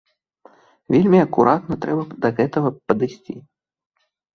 Вельмі акуратна трэба да гэтага падысці.